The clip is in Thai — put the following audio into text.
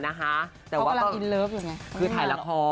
เพราะว่าคือถ่ายละครเพราะว่ากำลังอินเลิฟหรือไง